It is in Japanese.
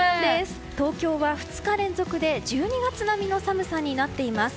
東京は２日連続で１２月並みの寒さになっています。